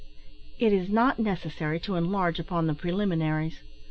It is not necessary to enlarge upon the preliminaries.